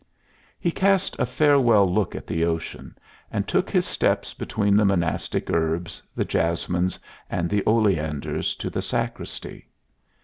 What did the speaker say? He cast a farewell look at the ocean, and took his steps between the monastic herbs, the jasmines and the oleanders to the sacristy.